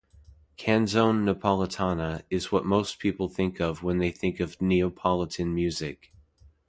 "Canzone Napoletana" is what most people think of when they think of Neapolitan music.